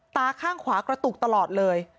ตาข้างขวากระตุกตลอดเลย